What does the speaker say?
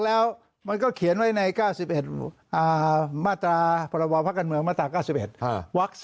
แล้วมันก็เขียนไว้ใน๙๑มาตราพรบพักการเมืองมาตรา๙๑วัก๒